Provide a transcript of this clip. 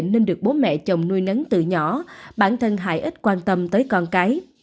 nên được bố mẹ chồng nuôi nấn từ nhỏ bản thân hại ít quan tâm tới con cái